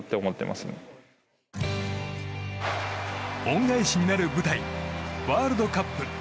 恩返しになる舞台ワールドカップ。